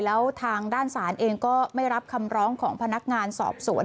แล้วทางด้านศาลเองก็ไม่รับคำร้องของพนักงานสอบสวน